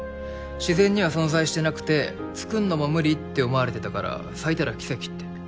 自然には存在してなくて作んのも無理って思われてたから咲いたら奇跡って。